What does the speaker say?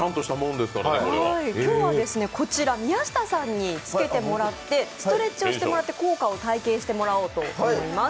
今日はこちら宮下さんに付けてもらって、ストレッチをして効果を体験してもらおうと思います。